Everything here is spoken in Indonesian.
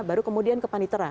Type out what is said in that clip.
baru kemudian ke panitera